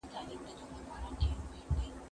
زه واښه راوړلي دي!